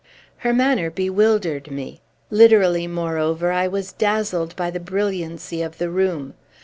Her manner bewildered me. Literally, moreover, I was dazzled by the brilliancy of the room.